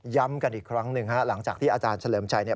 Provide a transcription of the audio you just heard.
ย้ำกันอีกครั้งหนึ่งหลังจากที่อาจารย์เฉลิมชัย